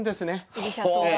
居飛車党は。